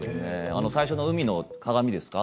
最初の海の鏡ですか？